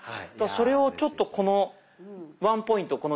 それをちょっとこのワンポイント